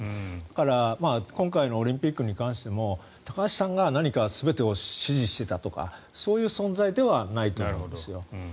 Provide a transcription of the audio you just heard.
だから今回のオリンピックに関しても高橋さんが何か全てを指示していたとかそういう存在ではないと思いますよ。